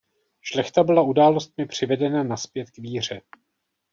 Šlechta byla událostmi přivedena nazpět k víře.